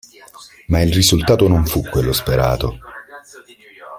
Ma il risultato non fu quello sperato.